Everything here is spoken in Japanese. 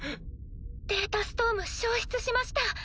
データストーム消失しました。